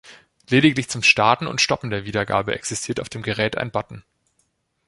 Lediglich zum Starten und Stoppen der Wiedergabe existiert auf dem Gerät ein Button.